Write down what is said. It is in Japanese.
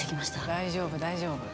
大丈夫大丈夫。